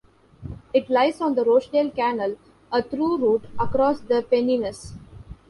It lies on the Rochdale Canal - a through route across the Pennines.